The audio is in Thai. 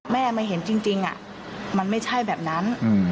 แม่ไม่เห็นจริงมันไม่ใช่แบบนั้น